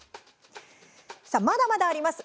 まだまだあります